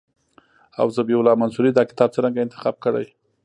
او ذبیح الله منصوري دا کتاب څرنګه انتخاب کړی.